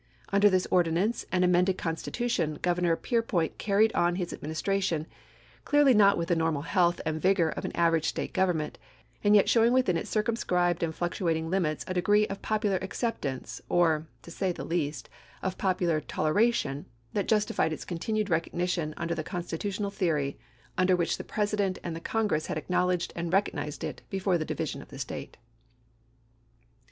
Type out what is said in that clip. Under this ordinance and amended constitution Governor Peirpoint carried on his administration, clearly not with the normal health and vigor of an average State government, and yet showing within its circumscribed and fluctuating limits a degree of popular acceptance, or, to say the least, of popular toleration, that justified its continued recognition under the constitutional theory under which the President and the Con gress had acknowledged and recognized it before the division of the State.